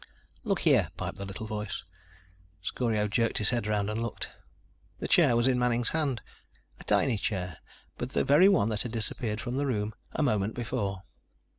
"Look here," piped the little voice. Scorio jerked his head around and looked. The chair was in Manning's hand. A tiny chair, but the very one that had disappeared from the room a moment before.